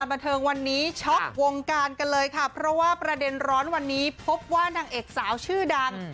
บันเทิงวันนี้ช็อกวงการกันเลยค่ะเพราะว่าประเด็นร้อนวันนี้พบว่านางเอกสาวชื่อดัง